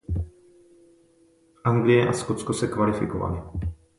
Anglie a Skotsko se kvalifikovali.